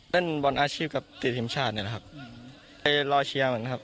เต้นบอลอาชีพกับติดทีมชาติเนี่ยแหละครับไปรอเชียงมันครับ